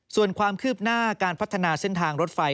ส่วนความคืบหน้าการพัฒนาเส้นทางรถไฟ